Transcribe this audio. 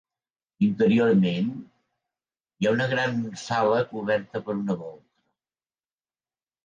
Interiorment, hi ha una gran sala coberta per una volta.